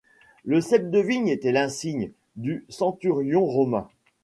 Le cep de vigne était l'insigne du centurion romain.